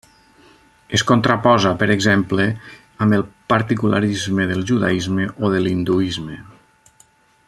Es contraposa, per exemple, amb el particularisme del judaisme o de l'hinduisme.